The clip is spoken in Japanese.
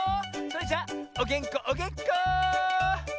それじゃおげんこおげんこ！